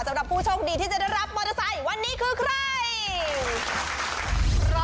สำหรับผู้โชคดีที่จะได้รับมอเตอร์ไซค์วันนี้คือใคร